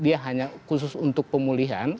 dia hanya khusus untuk pemulihan